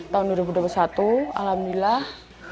tahun dua ribu dua puluh satu alhamdulillah